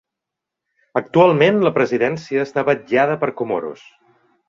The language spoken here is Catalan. Actualment, la presidència està vetllada per Comoros.